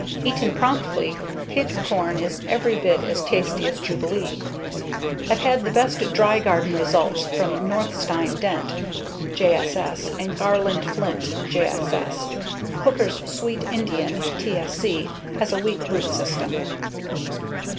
Eaten promptly, "pig" corn is every bit as tasty as Jubilee. I've had the best dry garden results with Northstine Dent (JSS) and Garland Flint (JSS). Hookers Sweet Indian (TSC) has a weak root system.